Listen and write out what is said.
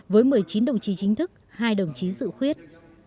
với một mươi chín đồng chí chính thức hai đồng chí dự khuyết